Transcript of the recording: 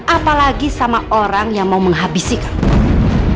apalagi sama orang yang mau menghabisi kamu